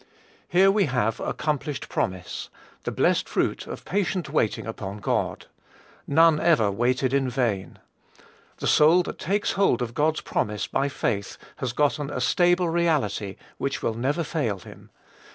Here we have accomplished promise, the blessed fruit of patient waiting upon God. None ever waited in vain. The soul that takes hold of God's promise by faith has gotten a stable reality which will never fail him.